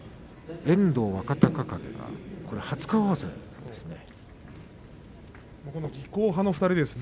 遠藤、若隆景が初顔合わせなんですね。